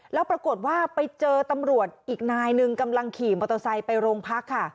แล้วปรากฏว่าไปเจอตำรวจอีกนายหนึ่งกำลังขี่มอเตอร์ไซค์ไปโรงพักค่ะ